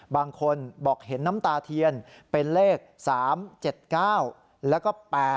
บางคนบอกเห็นน้ำตาเทียนเป็นเลข๓๗๙แล้วก็๘